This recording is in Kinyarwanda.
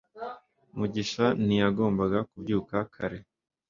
mugisha ntiyagombaga kubyuka kare